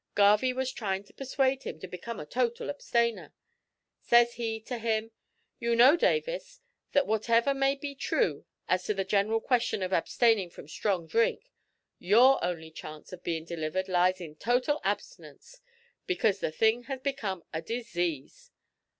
Garvie was tryin' to persuade him to become a total abstainer. Says he to him, `You know, Davis, that whatever may be true as to the general question of abstaining from strong drink, your only chance of bein' delivered lies in total abstinence, because the thing has become a disease.